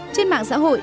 trên mạng xã hội